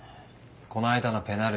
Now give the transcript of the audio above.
この間のペナルティー。